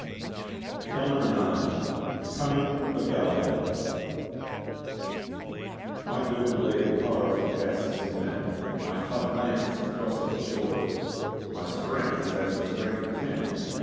IX Ol)e (Tomlng of (Bala^a6 " My good blade carves the casques of men. My tough lance thrusteth sure, My strength is as the strength of ten.